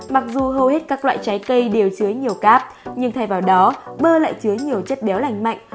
mặc dù hầu hết các loại trái cây đều chứa nhiều cáp nhưng thay vào đó bơ lại chứa nhiều chất béo lành mạnh